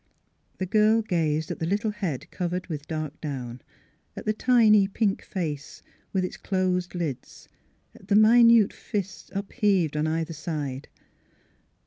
The girl gazed at the little head covered with dark down; at the tiny i^ink face, with its closed lids ; at the minute fists upheaved on either side.